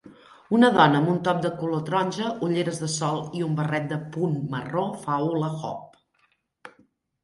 Una dona amb un top de color taronja, ulleres de sol i un barret de punt marró fa hula hoop.